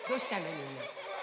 みんな。